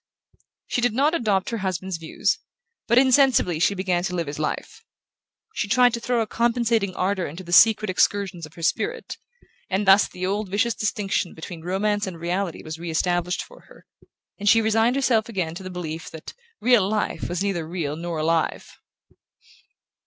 She did not adopt her husband's views, but insensibly she began to live his life. She tried to throw a compensating ardour into the secret excursions of her spirit, and thus the old vicious distinction between romance and reality was re established for her, and she resigned herself again to the belief that "real life" was neither real nor alive.